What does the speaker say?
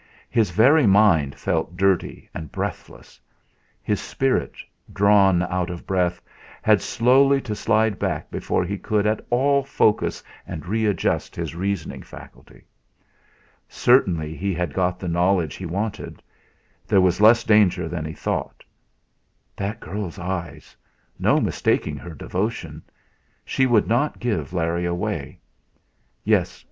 His very mind felt dirty and breathless; his spirit, drawn out of sheath, had slowly to slide back before he could at all focus and readjust his reasoning faculty. Certainly, he had got the knowledge he wanted. There was less danger than he thought. That girl's eyes! No mistaking her devotion. She would not give Larry away. Yes!